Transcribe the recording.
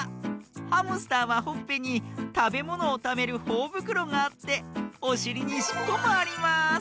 ハムスターはほっぺにたべものをためるほおぶくろがあっておしりにしっぽもあります！